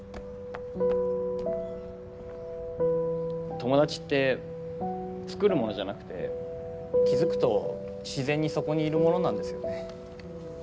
友達って作るものじゃなくて気付くと自然にそこにいるものなんですよね。